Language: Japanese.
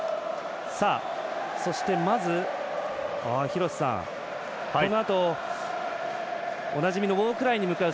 そして、まず廣瀬さん、このあとおなじみのウォークライに向かう